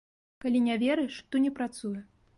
Калі не верыш, то не працуе.